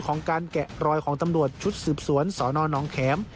ของการแกะรอยของตำรวจชุดสืบสวนสนน้องแข็ม